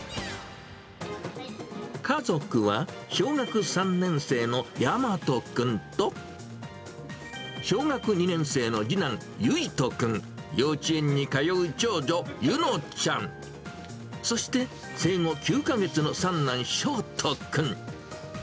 家族は、小学３年生のやまと君と、小学２年生の次男、ゆいと君、幼稚園に通う長女、ゆのちゃん、そして、生後９か月の三男、しょうとくん。